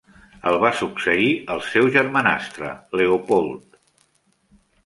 El va succeir el seu germanastre, Leopold.